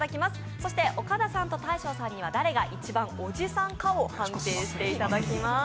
そして岡田さんと大昇さんには誰が一番おじさんかを判定してもらいます。